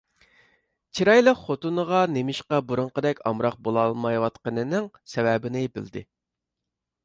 چىرايلىق خوتۇنىغا نېمىشقا بۇرۇنقىدەك ئامراق بولالمايۋاتقىنىنىڭ سەۋەبىنى بىلدى.